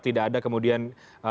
tidak ada kemudian